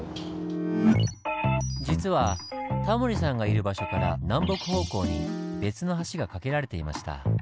実はタモリさんがいる場所から南北方向に別の橋が架けられていました。